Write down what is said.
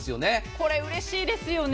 これ、うれしいですよね。